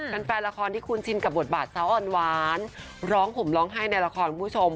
เป็นแฟนละครที่คุ้นชินกับบทบาทสาวอ่อนหวานร้องห่มร้องไห้ในละครคุณผู้ชม